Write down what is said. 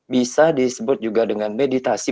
bisa disebut juga dengan meditasi